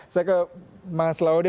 saya ke mas laude